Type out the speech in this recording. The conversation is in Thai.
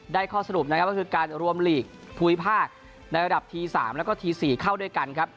ได้ข้อสรุปก็คือการรวมหลีกภูยิภาคในระดับที๓และที๔เข้าด้วยกัน